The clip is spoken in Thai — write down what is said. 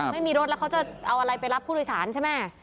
ไม่มีรถแล้วเขาจะเอาอะไรไปรับผู้โดยสารใช่ไหม